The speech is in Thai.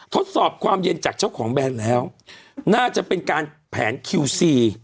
ทดสอบความเย็นจากเจ้าของแบรนด์แล้วน่าจะเป็นการแผนคิวซี